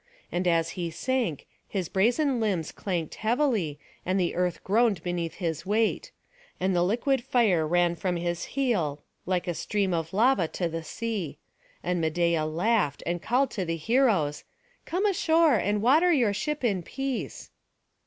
And as he sank, his brazen limbs clanked heavily, and the earth groaned beneath his weight; and the liquid fire ran from his heel, like a stream of lava to the sea; and Medeia laughed, and called to the heroes, "Come ashore, and water your ship in peace."